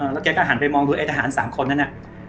แล้วแกก็หันไปมองดูไอ้ทหาร๓คนนั้นน่ะ